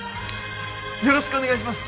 よろしくお願いします！